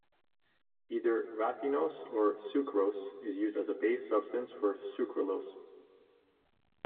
Either raffinose or sucrose is used as a base substance for sucralose.